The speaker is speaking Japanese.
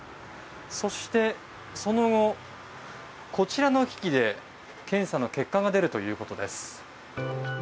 そして、その後こちらの機器で検査の結果が出るということです。